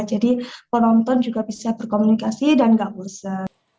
jadi penonton juga bisa berkomunikasi dan nggak biasa